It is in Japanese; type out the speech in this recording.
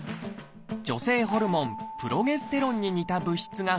女性ホルモンプロゲステロンに似た物質が含まれています。